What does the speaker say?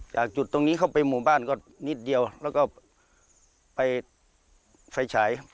จากจุดตรงนี้เข้าไปหมู่บ้านก็นิดเดียวแล้วก็ไปไฟฉาย